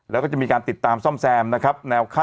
แล้วก็จะมีการติดตามซ่อมแซมนะครับแนวขั้น